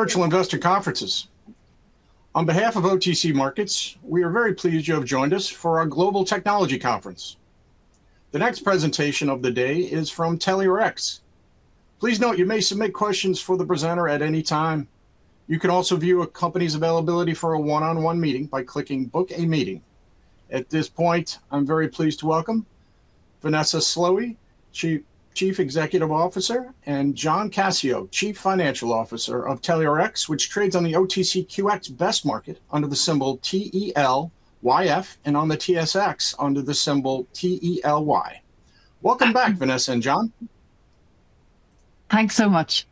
Virtual Investor Conferences. On behalf of OTC Markets Group, we are very pleased you have joined us for our Global Technology Conference. The next presentation of the day is from TelyRx. Please note, you may submit questions for the presenter at any time. You can also view a company's availability for a one-on-one meeting by clicking Book a Meeting. At this point, I'm very pleased to welcome Vanessa Slowey, Chief Executive Officer, and John Cascio, Chief Financial Officer of TelyRx, which trades on the OTCQX Best Market under the symbol TELYF, and on the TSX under the symbol TELY. Welcome back, Vanessa and John. Thanks so much.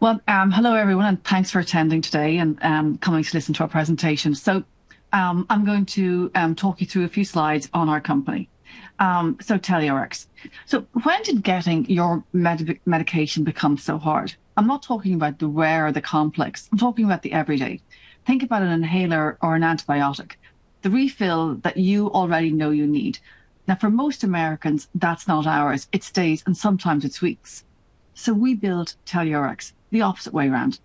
Well, hello everyone, and thanks for attending today and coming to listen to our presentation. I'm going to talk you through a few slides on our company, so TelyRx. When did getting your medication become so hard? I'm not talking about the rare or the complex. I'm talking about the everyday. Think about an inhaler or an antibiotic, the refill that you already know you need. For most Americans, that's not hours, it's days, and sometimes it's weeks. We built TelyRx the opposite way around.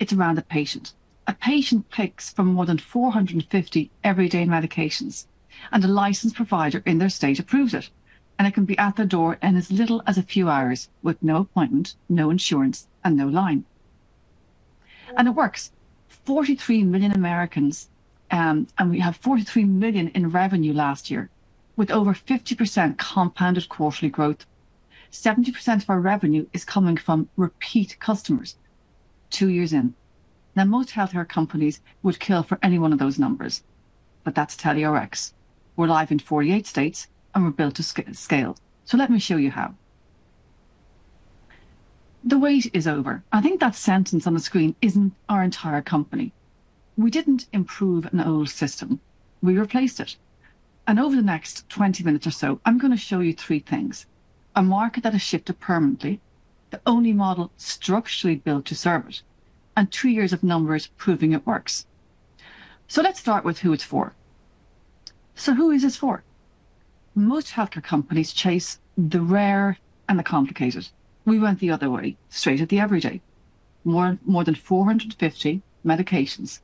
It's around the patient. A patient picks from more than 450 everyday medications, and a licensed provider in their state approves it, and it can be at their door in as little as a few hours with no appointment, no insurance, and no line. It works. 43 million Americans, and we have $43 million in revenue last year, with over 50% compounded quarterly growth. 70% of our revenue is coming from repeat customers two years in. Most healthcare companies would kill for any one of those numbers, but that's TelyRx. We're live in 48 states, and we're built to scale. Let me show you how. The wait is over. I think that sentence on the screen isn't our entire company. We didn't improve an old system. We replaced it. Over the next 20 minutes or so, I'm going to show you three things, a market that has shifted permanently, the only model structurally built to serve it, and two years of numbers proving it works. Let's start with who it's for. Who is this for? Most healthcare companies chase the rare and the complicated. We went the other way, straight at the everyday. More than 450 medications,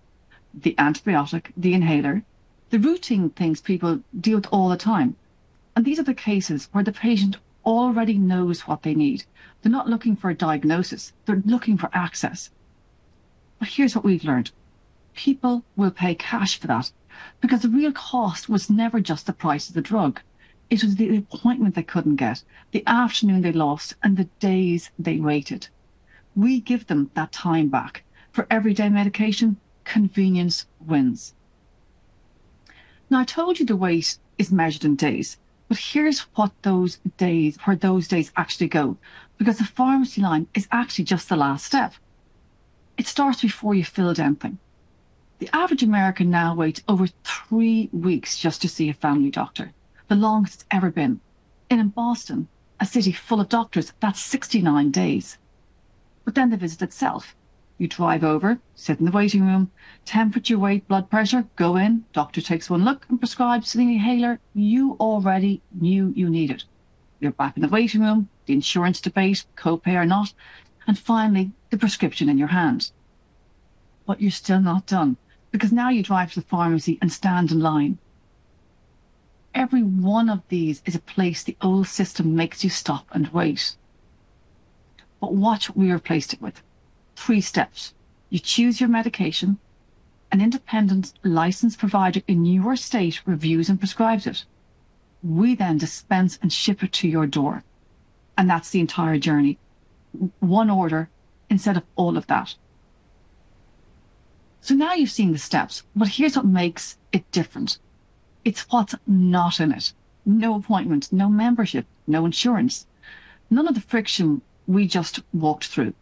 the antibiotic, the inhaler, the routine things people deal with all the time. These are the cases where the patient already knows what they need. They're not looking for a diagnosis. They're looking for access. Here's what we've learned. People will pay cash for that because the real cost was never just the price of the drug. It was the appointment they couldn't get, the afternoon they lost, and the days they waited. We give them that time back. For everyday medication, convenience wins. I told you the wait is measured in days, but here's where those days actually go because the pharmacy line is actually just the last step. It starts before you fill anything. The average American now waits over three weeks just to see a family doctor, the longest it's ever been. In Boston, a city full of doctors, that's 69 days. The visit itself. You drive over, sit in the waiting room, temperature, weight, blood pressure. Go in, doctor takes one look and prescribes the inhaler you already knew you needed. You're back in the waiting room, the insurance debate, copay or not, and finally, the prescription in your hand. You're still not done because now you drive to the pharmacy and stand in line. Every one of these is a place the old system makes you stop and wait. Watch what we replaced it with. Three steps. You choose your medication. An independent licensed provider in your state reviews and prescribes it. We then dispense and ship it to your door, and that's the entire journey. One order instead of all of that. Now you've seen the steps, here's what makes it different. It's what's not in it. No appointment, no membership, no insurance, none of the friction we just walked through.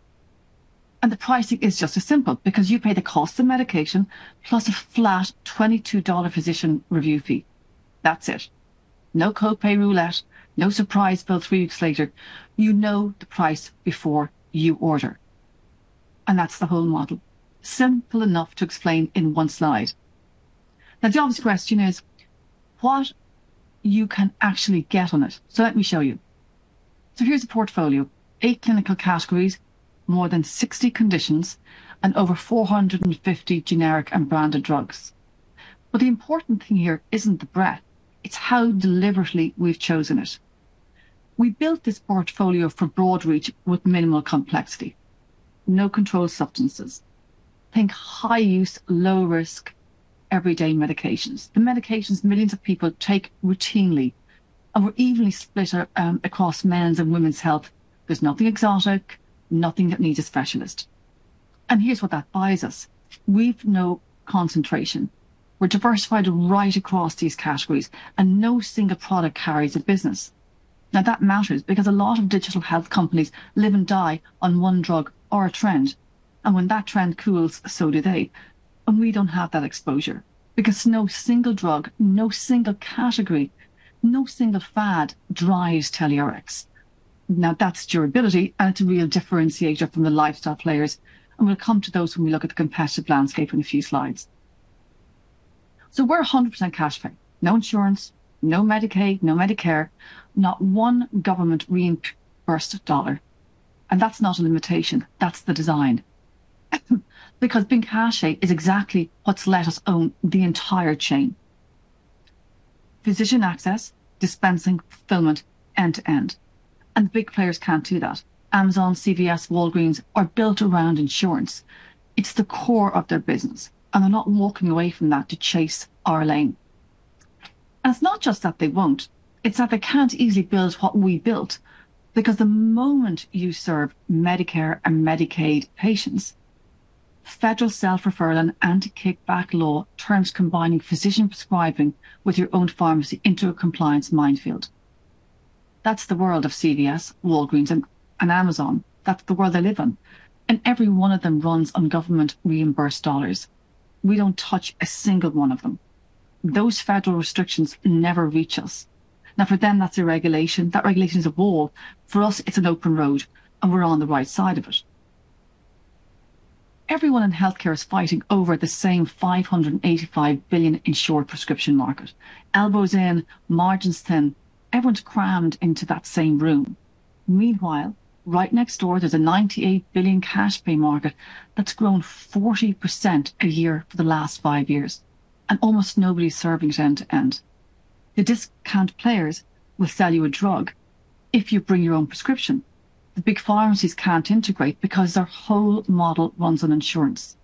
The pricing is just as simple because you pay the cost of medication plus a flat $22 physician review fee. That's it. No copay roulette, no surprise bill three weeks later. You know the price before you order. That's the whole model. Simple enough to explain in one slide. The obvious question is what you can actually get on it. Let me show you. Here's the portfolio, eight clinical categories, more than 60 conditions, and over 450 generic and branded drugs. The important thing here isn't the breadth, it's how deliberately we've chosen it. We built this portfolio for broad reach with minimal complexity. No controlled substances. Think high-use, low-risk, everyday medications. The medications millions of people take routinely, we're evenly split across men's and women's health. There's nothing exotic, nothing that needs a specialist. Here's what that buys us. We've no concentration. We're diversified right across these categories, no single product carries the business. That matters because a lot of digital health companies live and die on one drug or a trend, when that trend cools, so do they. We don't have that exposure because no single drug, no single category, no single fad drives TelyRx. That's durability, it's a real differentiator from the lifestyle players. We'll come to those when we look at the competitive landscape in a few slides. We're 100% cash pay. No insurance, no Medicaid, no Medicare, not one government reimbursed dollar. That's not a limitation. That's the design. Because being cash pay is exactly what's let us own the entire chain. Physician access, dispensing, fulfillment, end to end. Big players can't do that. Amazon, CVS, Walgreens are built around insurance. It's the core of their business, they're not walking away from that to chase our lane. It's not just that they won't, it's that they can't easily build what we built because the moment you serve Medicare and Medicaid patients, federal Self-Referral Law and Anti-Kickback Law turns combining physician prescribing with your own pharmacy into a compliance minefield. That's the world of CVS, Walgreens, and Amazon. That's the world they live in. Every one of them runs on government reimbursed dollars. We don't touch a single one of them. Those federal restrictions never reach us. For them, that's a regulation. That regulation is a wall. For us, it's an open road, and we're on the right side of it. Everyone in healthcare is fighting over the same $585 billion insured prescription market. Elbows in, margins thin. Everyone's crammed into that same room. Meanwhile, right next door, there's a $98 billion cash pay market that's grown 40% a year for the last five years, and almost nobody's serving it end to end. The discount players will sell you a drug if you bring your own prescription. The big pharmacies can't integrate because their whole model runs on insurance.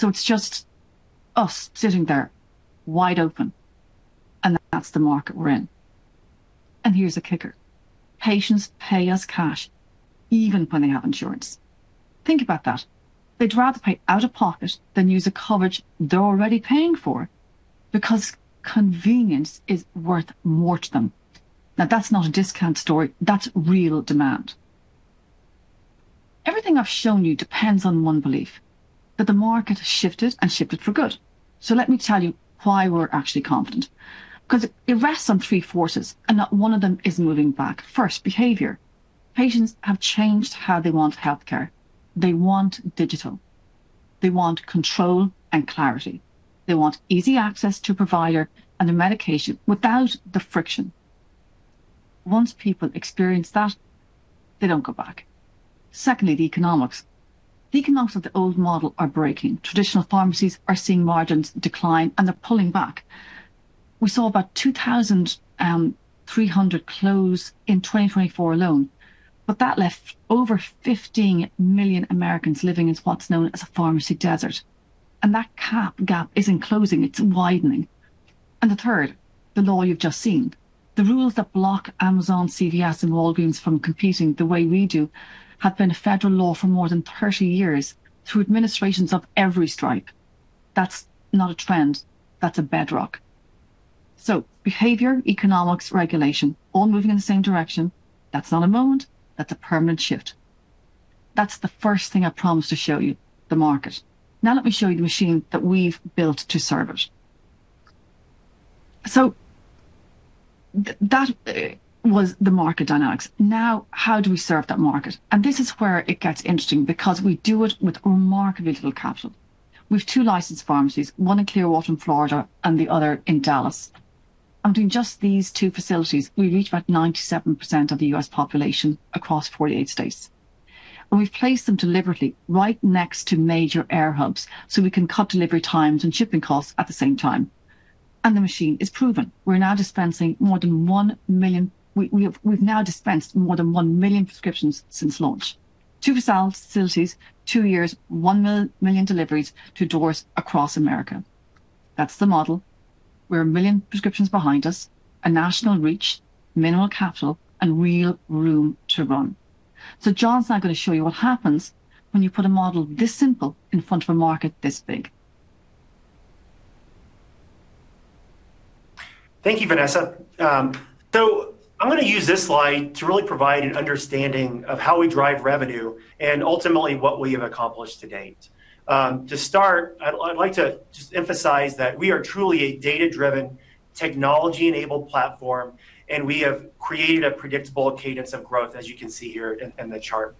It's just us sitting there wide open, and that's the market we're in. Here's the kicker. Patients pay us cash even when they have insurance. Think about that. They'd rather pay out of pocket than use a coverage they're already paying for, because convenience is worth more to them. That's not a discount story. That's real demand. Everything I've shown you depends on one belief, that the market has shifted and shifted for good. Let me tell you why we're actually confident. Because it rests on three forces, and not one of them is moving back. First, behavior. Patients have changed how they want healthcare. They want digital. They want control and clarity. They want easy access to provider and their medication without the friction. Once people experience that, they don't go back. Secondly, the economics. The economics of the old model are breaking. Traditional pharmacies are seeing margins decline, and they're pulling back. We saw about 2,300 close in 2024 alone, but that left over 50 million Americans living in what's known as a pharmacy desert. That gap isn't closing, it's widening. The third, the law you've just seen. The rules that block Amazon, CVS, and Walgreens from competing the way we do have been a federal law for more than 30 years through administrations of every stripe. That's not a trend. That's a bedrock. Behavior, economics, regulation, all moving in the same direction. That's not a moment. That's a permanent shift. That's the first thing I promised to show you, the market. Let me show you the machine that we've built to serve it. That was the market dynamics. How do we serve that market? This is where it gets interesting because we do it with remarkably little capital. We've two licensed pharmacies, one in Clearwater in Florida and the other in Dallas. In just these two facilities, we reach about 97% of the U.S. population across 48 states. We've placed them deliberately right next to major air hubs so we can cut delivery times and shipping costs at the same time. The machine is proven. We've now dispensed more than 1 million prescriptions since launch. Two facilities, two years, 1 million deliveries to doors across America. That's the model. We're 1 million prescriptions behind us, a national reach, minimal capital, and real room to run. John's now going to show you what happens when you put a model this simple in front of a market this big. Thank you, Vanessa. I'm going to use this slide to really provide an understanding of how we drive revenue and ultimately what we have accomplished to date. To start, I'd like to just emphasize that we are truly a data-driven, technology-enabled platform, and we have created a predictable cadence of growth, as you can see here in the chart.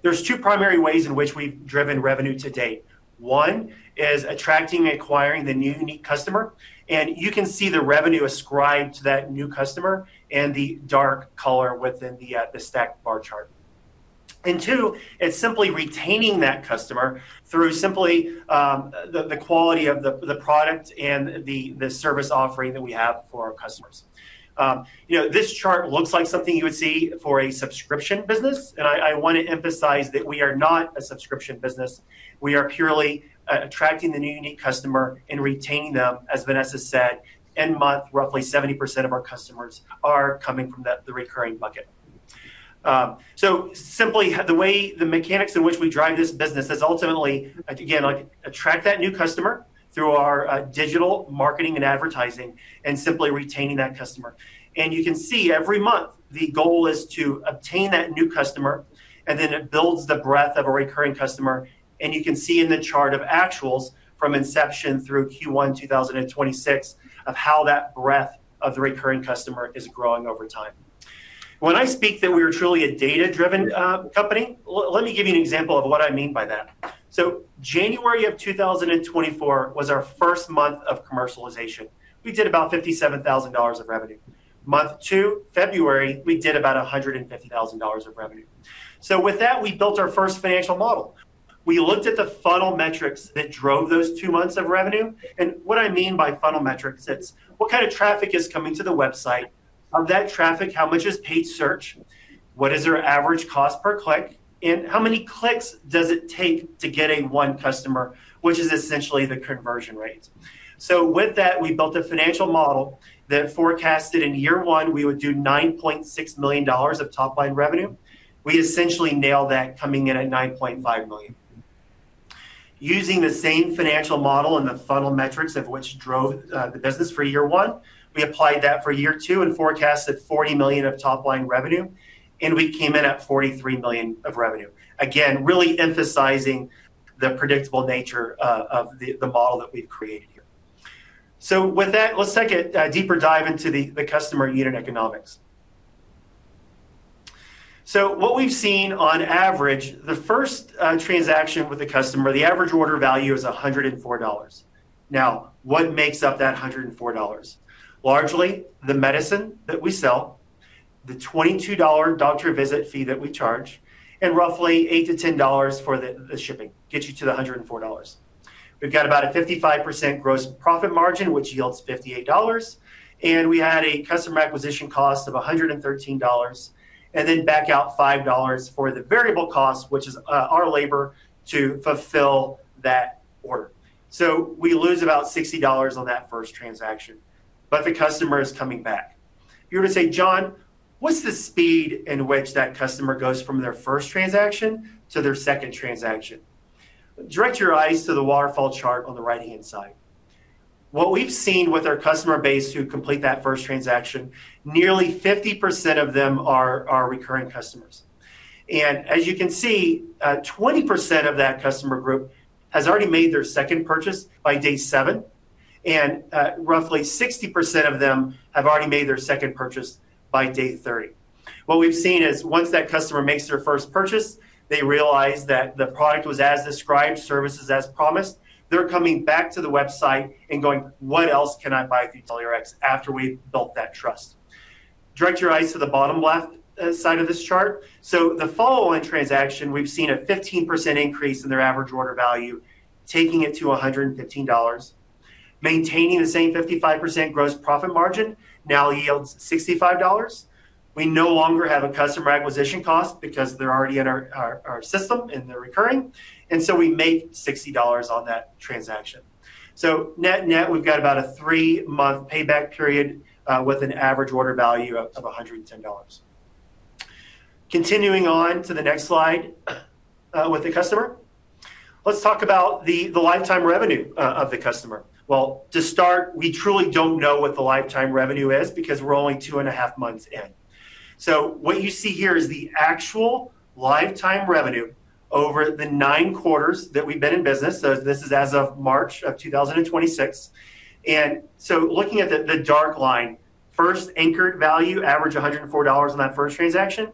There's two primary ways in which we've driven revenue to date. One is attracting and acquiring the new unique customer, and you can see the revenue ascribed to that new customer in the dark color within the stack bar chart. Two, it's simply retaining that customer through simply the quality of the product and the service offering that we have for our customers. This chart looks like something you would see for a subscription business. I want to emphasize that we are not a subscription business. We are purely attracting the new unique customer and retaining them. As Vanessa said, end month, roughly 70% of our customers are coming from the recurring bucket. Simply, the mechanics in which we drive this business is ultimately, again, attract that new customer through our digital marketing and advertising and simply retaining that customer. You can see every month the goal is to obtain that new customer. Then it builds the breadth of a recurring customer. You can see in the chart of actuals from inception through Q1 2026 of how that breadth of the recurring customer is growing over time. When I speak that we are truly a data-driven company, let me give you an example of what I mean by that. January of 2024 was our first month of commercialization. We did about $57,000 of revenue. Month two, February, we did about $150,000 of revenue. With that, we built our first financial model. We looked at the funnel metrics that drove those two months of revenue. What I mean by funnel metrics, it's what kind of traffic is coming to the website? Of that traffic, how much is paid search? What is their average cost per click? How many clicks does it take to get a one customer, which is essentially the conversion rate. With that, we built a financial model that forecasted in year one, we would do $9.6 million of top-line revenue. We essentially nailed that, coming in at $9.5 million. Using the same financial model and the funnel metrics of which drove the business for year one, we applied that for year two, forecasted $40 million of top-line revenue. We came in at $43 million of revenue. Again, really emphasizing the predictable nature of the model that we've created here. With that, let's take a deeper dive into the customer unit economics. What we've seen on average, the first transaction with a customer, the average order value is $104. Now, what makes up that $104? Largely, the medicine that we sell, the $22 doctor visit fee that we charge, roughly $8 to $10 for the shipping gets you to the $104. We've got about a 55% gross profit margin, which yields $58. We had a customer acquisition cost of $113. Then back out $5 for the variable cost, which is our labor, to fulfill that order. We lose about $60 on that first transaction, the customer is coming back. You're going to say, "John, what's the speed in which that customer goes from their first transaction to their second transaction?" Direct your eyes to the waterfall chart on the right-hand side. What we've seen with our customer base who complete that first transaction, nearly 50% of them are recurring customers. As you can see, 20% of that customer group has already made their second purchase by day seven, and roughly 60% of them have already made their second purchase by day 30. What we've seen is once that customer makes their first purchase, they realize that the product was as described, service is as promised. They're coming back to the website and going, "What else can I buy through TelyRx?" after we've built that trust. Direct your eyes to the bottom left side of this chart. The follow-on transaction, we've seen a 15% increase in their average order value, taking it to $115. Maintaining the same 55% gross profit margin now yields $65. We no longer have a customer acquisition cost because they're already in our system, and they're recurring, and so we make $60 on that transaction. Net-net, we've got about a three-month payback period with an average order value of $110. Continuing on to the next slide with the customer. Let's talk about the lifetime revenue of the customer. Well, to start, we truly don't know what the lifetime revenue is because we're only two and a half years in. What you see here is the actual lifetime revenue over the nine quarters that we've been in business. This is as of March of 2026. Looking at the dark line, first anchored value, average $104 on that first transaction.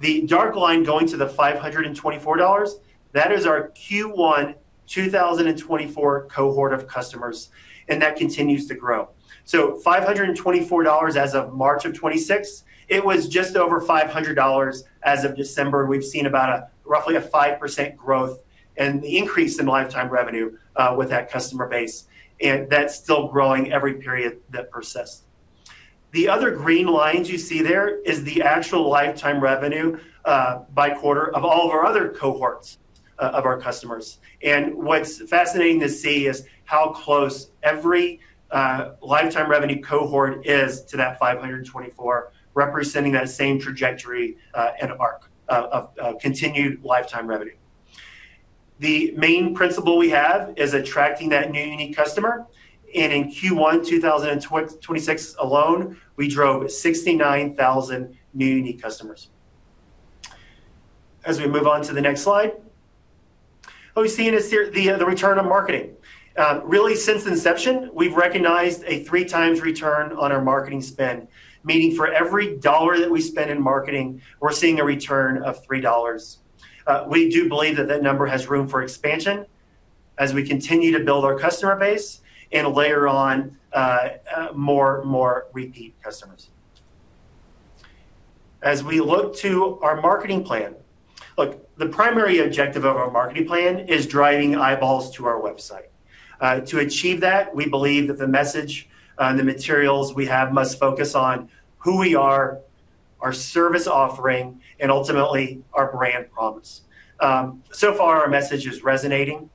The dark line going to the $524, that is our Q1 2024 cohort of customers, and that continues to grow. $524 as of March of 2026. It was just over $500 as of December. We've seen about roughly a 5% growth and increase in lifetime revenue with that customer base, and that's still growing every period that persists. The other green lines you see there is the actual lifetime revenue by quarter of all of our other cohorts of our customers. What's fascinating to see is how close every lifetime revenue cohort is to that $524, representing that same trajectory and arc of continued lifetime revenue. The main principle we have is attracting that new unique customer. In Q1 2026 alone, we drove 69,000 new unique customers. As we move on to the next slide, what we've seen is the return on marketing. Really, since inception, we've recognized a 3x return on our marketing spend, meaning for every dollar that we spend in marketing, we're seeing a return of $3. We do believe that that number has room for expansion as we continue to build our customer base and layer on more repeat customers. As we look to our marketing plan, look, the primary objective of our marketing plan is driving eyeballs to our website. To achieve that, we believe that the message and the materials we have must focus on who we are, our service offering, and ultimately, our brand promise. So far, our message is resonating.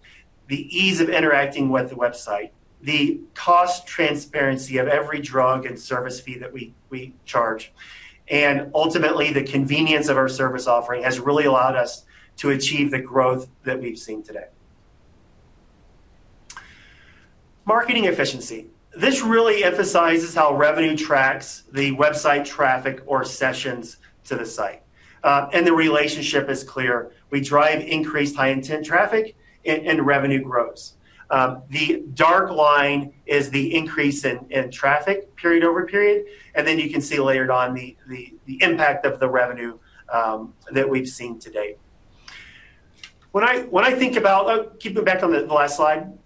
The ease of interacting with the website, the cost transparency of every drug and service fee that we charge, and ultimately, the convenience of our service offering has really allowed us to achieve the growth that we've seen today. Marketing efficiency. This really emphasizes how revenue tracks the website traffic or sessions to the site. The relationship is clear. We drive increased high-intent traffic, and revenue grows. The dark line is the increase in traffic period over period, and then you can see layered on the impact of the revenue that we've seen to date. Keep it back on the last slide.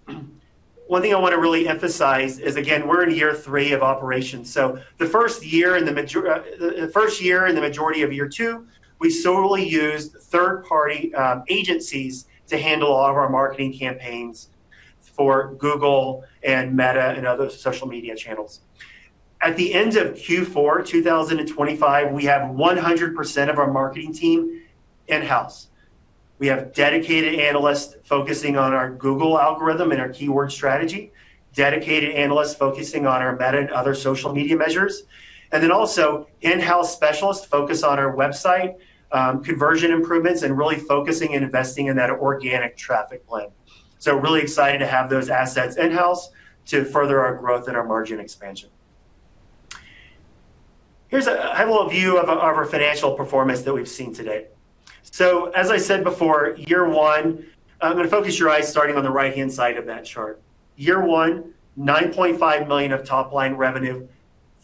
One thing I want to really emphasize is, again, we're in year three of operations. The first year and the majority of year two, we solely used third-party agencies to handle a lot of our marketing campaigns for Google, Meta, and other social media channels. At the end of Q4 2025, we have 100% of our marketing team in-house. We have dedicated analysts focusing on our Google algorithm and our keyword strategy, dedicated analysts focusing on our Meta and other social media measures, and then also in-house specialists focus on our website, conversion improvements, and really focusing and investing in that organic traffic blend. Really excited to have those assets in-house to further our growth and our margin expansion. Here's a high-level view of our financial performance that we've seen to date. As I said before, year one, I'm going to focus your eyes starting on the right-hand side of that chart. Year one, $9.5 million of top-line revenue,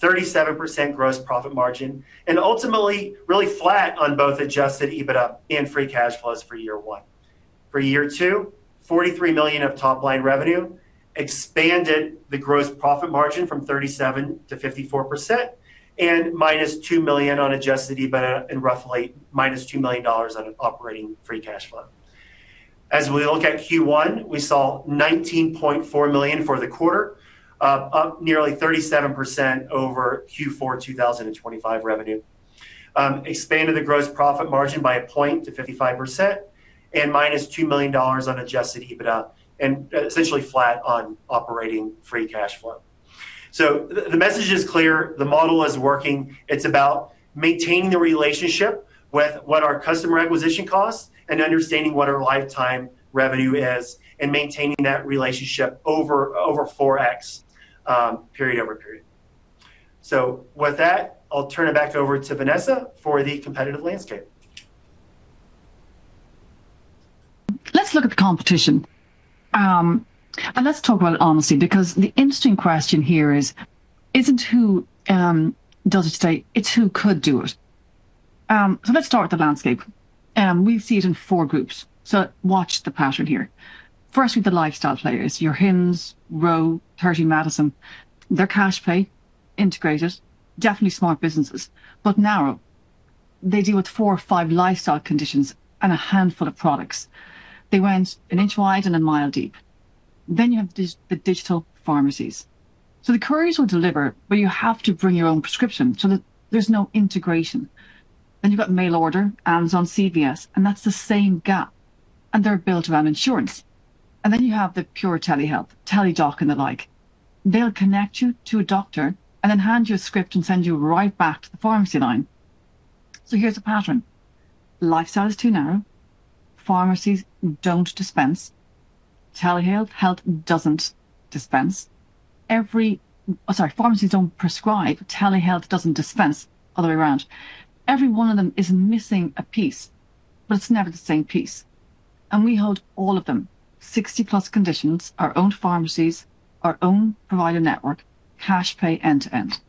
37% gross profit margin, and ultimately really flat on both adjusted EBITDA and free cash flows for year one. For year two, $43 million of top-line revenue, expanded the gross profit margin from 37% to 54%, and minus $2 million on adjusted EBITDA and roughly minus $2 million on operating free cash flow. As we look at Q1, we saw $19.4 million for the quarter, up nearly 37% over Q4 2025 revenue. Expanded the gross profit margin by a point to 55%, and minus $2 million on adjusted EBITDA, and essentially flat on operating free cash flow. The message is clear. The model is working. It's about maintaining the relationship with what our customer acquisition costs and understanding what our lifetime revenue is and maintaining that relationship over 4x period over period. With that, I'll turn it back over to Vanessa for the competitive landscape. Let's look at the competition. Let's talk about honesty, because the interesting question here is, it isn't who does it today, it's who could do it. Let's start with the landscape. We see it in four groups. Watch the pattern here. First with the lifestyle players, your Hims, Ro, Thirty Madison. They're cash pay, integrated, definitely smart businesses, but narrow. They deal with four or five lifestyle conditions and a handful of products. They went an inch wide and a mile deep. You have the digital pharmacies. The couriers will deliver, but you have to bring your own prescription, so there's no integration. You've got mail order, Amazon, CVS, and that's the same gap. They're built around insurance. You have the pure telehealth, Teladoc and the like. They'll connect you to a doctor and then hand you a script and send you right back to the pharmacy line. Here's the pattern. Lifestyle is too narrow. Pharmacies don't dispense. Telehealth doesn't dispense. Sorry, pharmacies don't prescribe, telehealth doesn't dispense, other way around. Every one of them is missing a piece, but it's never the same piece. We hold all of them, 60-plus conditions, our own pharmacies, our own provider network, cash pay end to end.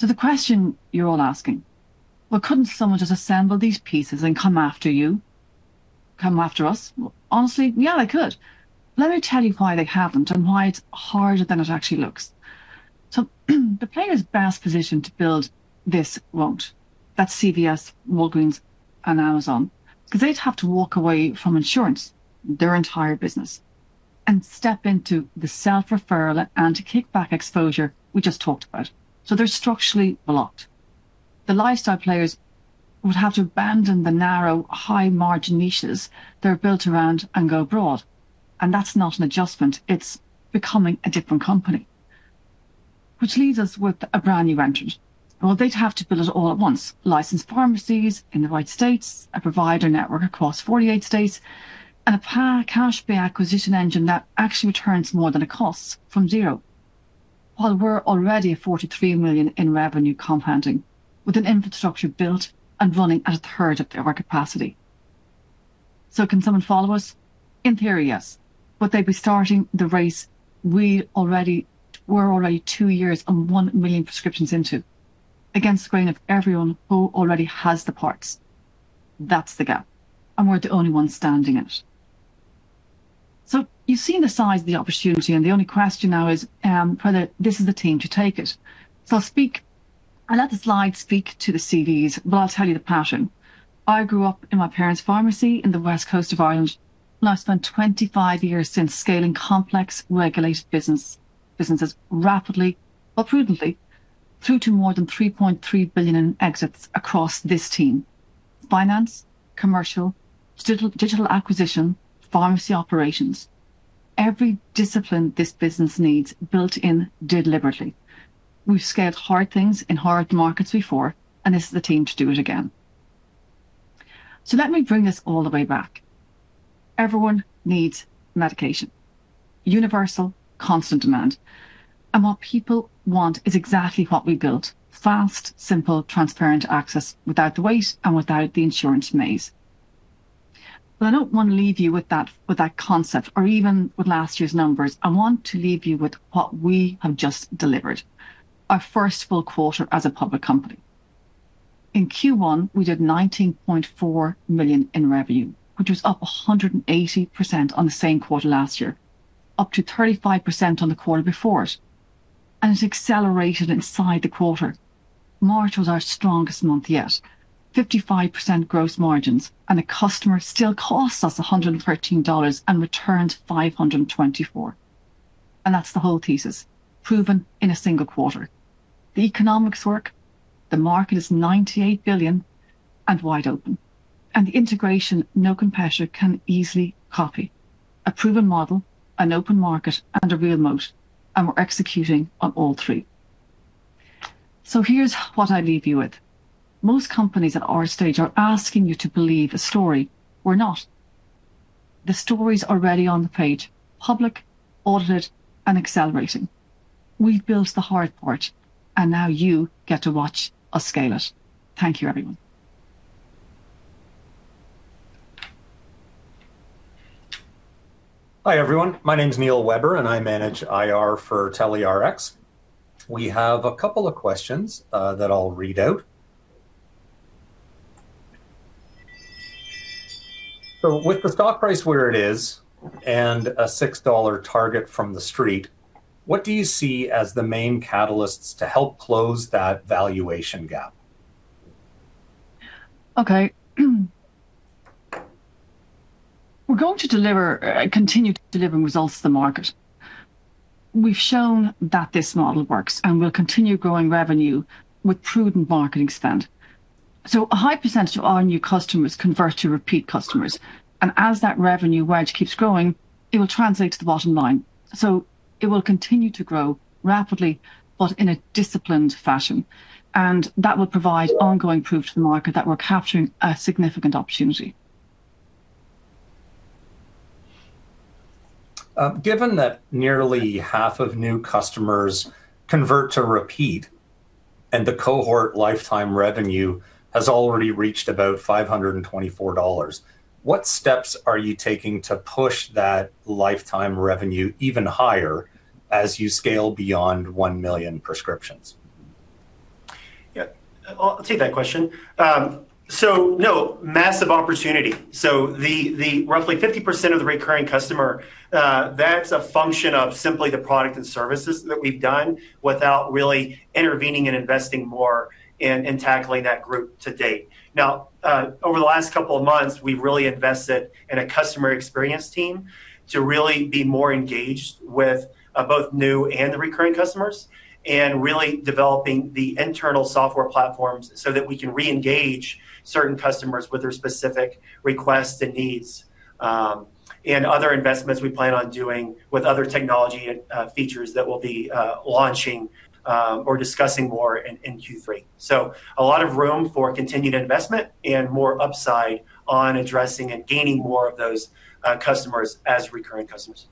The question you're all asking, well, couldn't someone just assemble these pieces and come after you? Come after us? Honestly, yeah, they could. Let me tell you why they haven't and why it's harder than it actually looks. The players best positioned to build this won't. That's CVS, Walgreens, and Amazon, because they'd have to walk away from insurance, their entire business, and step into the self-referral and kickback exposure we just talked about. They're structurally blocked. The lifestyle players would have to abandon the narrow, high-margin niches they're built around and go broad. That's not an adjustment. It's becoming a different company. Which leaves us with a brand new entrant. Well, they'd have to build it all at once. Licensed pharmacies in the right states, a provider network across 48 states, and a cash pay acquisition engine that actually returns more than it costs from zero. While we're already $43 million in revenue compounding, with an infrastructure built and running at a third of our capacity. Can someone follow us? In theory, yes. They'd be starting the race we're already two years and 1 million prescriptions into, against the grain of everyone who already has the parts. That's the gap. We're the only ones standing in it. You've seen the size of the opportunity, and the only question now is whether this is the team to take it. I'll let the slide speak to the CVs, but I'll tell you the pattern. I grew up in my parents' pharmacy in the west coast of Ireland, and I've spent 25 years since scaling complex regulated businesses rapidly but prudently through to more than $3.3 billion in exits across this team. Finance, commercial, digital acquisition, pharmacy operations. Every discipline this business needs, built in deliberately. We've scaled hard things in hard markets before, this is the team to do it again. Let me bring this all the way back. Everyone needs medication. Universal, constant demand. What people want is exactly what we built. Fast, simple, transparent access without the wait and without the insurance maze. I don't want to leave you with that concept or even with last year's numbers. I want to leave you with what we have just delivered. Our first full quarter as a public company. In Q1, we did $19.4 million in revenue, which was up 180% on the same quarter last year, up to 35% on the quarter before it, and it accelerated inside the quarter. March was our strongest month yet, 55% gross margins, and the customer still costs us $113 and returns $524. That's the whole thesis, proven in a single quarter. The economics work, the market is $98 billion and wide open, and the integration no competitor can easily copy. A proven model, an open market, and a real moat, and we're executing on all three. Here's what I leave you with. Most companies at our stage are asking you to believe a story. We're not. The story's already on the page, public, audited, and accelerating. We've built the hard part and now you get to watch us scale it. Thank you, everyone. Hi, everyone. My name's Neil Weber, and I manage IR for TelyRx. We have a couple of questions that I'll read out. With the stock price where it is and a $6 target from the street, what do you see as the main catalysts to help close that valuation gap? Okay. We're going to continue to deliver results to the market. We've shown that this model works, and we'll continue growing revenue with prudent marketing spend. A high percentage of our new customers convert to repeat customers, and as that revenue wedge keeps growing, it will translate to the bottom line. It will continue to grow rapidly, but in a disciplined fashion. That will provide ongoing proof to the market that we're capturing a significant opportunity. Given that nearly half of new customers convert to repeat, and the cohort lifetime revenue has already reached about $524, what steps are you taking to push that lifetime revenue even higher as you scale beyond 1 million prescriptions? Yeah. I'll take that question. Massive opportunity. The roughly 50% of the recurring customer, that's a function of simply the product and services that we've done without really intervening and investing more in tackling that group to date. Now, over the last couple of months, we've really invested in a customer experience team to really be more engaged with both new and the recurring customers, and really developing the internal software platforms so that we can reengage certain customers with their specific requests and needs. Other investments we plan on doing with other technology features that we'll be launching or discussing more in Q3. A lot of room for continued investment and more upside on addressing and gaining more of those customers as recurring customers.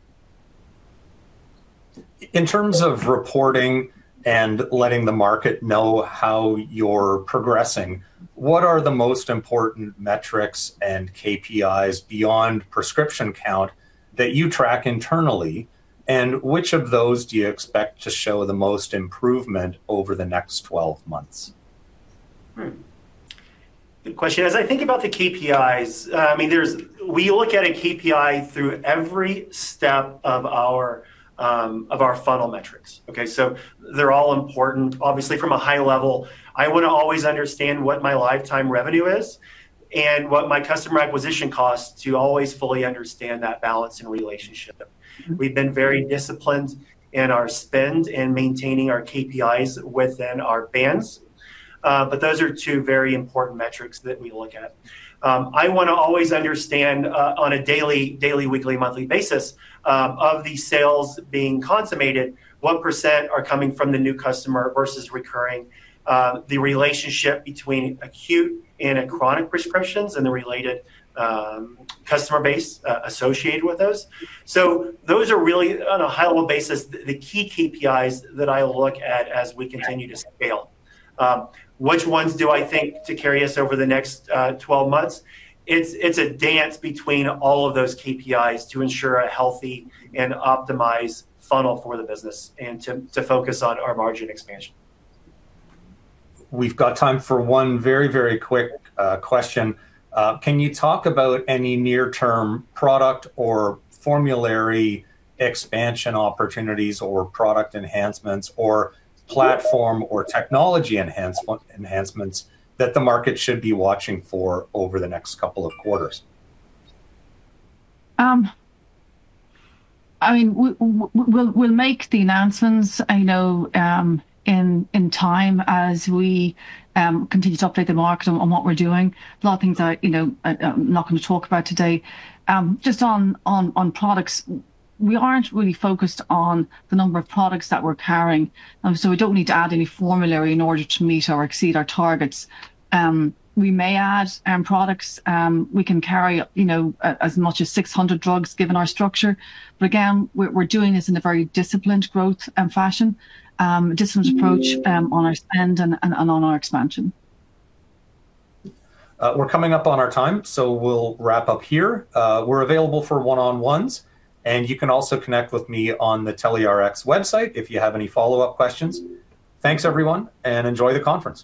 In terms of reporting and letting the market know how you're progressing, what are the most important metrics and KPIs beyond prescription count that you track internally, and which of those do you expect to show the most improvement over the next 12 months? Good question. As I think about the KPIs, we look at a KPI through every step of our funnel metrics. Okay, they're all important. Obviously, from a high level, I want to always understand what my lifetime revenue is and what my customer acquisition cost, to always fully understand that balance and relationship. We've been very disciplined in our spend in maintaining our KPIs within our bands. Those are two very important metrics that we look at. I want to always understand, on a daily, weekly, monthly basis, of the sales being consummated, what % are coming from the new customer versus recurring, the relationship between acute and chronic prescriptions, and the related customer base associated with those. Those are really, on a high level basis, the key KPIs that I look at as we continue to scale. Which ones do I think to carry us over the next 12 months? It's a dance between all of those KPIs to ensure a healthy and optimized funnel for the business and to focus on our margin expansion. We've got time for one very quick question. Can you talk about any near-term product or formulary expansion opportunities, or product enhancements, or platform or technology enhancements that the market should be watching for over the next couple of quarters? We'll make the announcements, I know, in time as we continue to update the market on what we're doing. A lot of things I'm not going to talk about today. Just on products, we aren't really focused on the number of products that we're carrying. We don't need to add any formulary in order to meet or exceed our targets. We may add products. We can carry as much as 600 drugs given our structure. Again, we're doing this in a very disciplined growth fashion, a disciplined approach on our spend and on our expansion. We're coming up on our time, we'll wrap up here. We're available for one-on-ones, you can also connect with me on the TelyRx website if you have any follow-up questions. Thanks, everyone, and enjoy the conference.